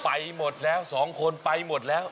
ไปหมดแล้วสองคนไปหมดแล้ว